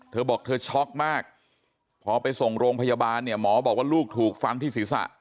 เธอบอกเธอช็อกมากพอไปส่งโรงพยาบาลเนี่ยหมอบอกว่าลูกถูกฟันที่ศีรษะ